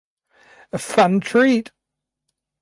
A fun treat.